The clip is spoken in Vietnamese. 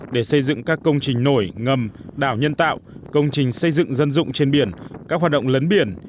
để xây dựng các công trình nổi ngầm đảo nhân tạo công trình xây dựng dân dụng trên biển các hoạt động lấn biển